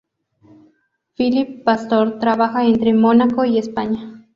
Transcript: Philippe Pastor trabaja entre Mónaco y España.